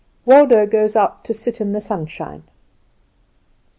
Waldo Goes Out to Sit in the Sunshine.